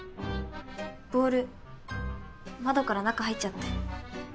ボール窓から中入っちゃって。